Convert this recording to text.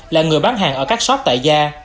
là người bán hàng ở các shop tại gia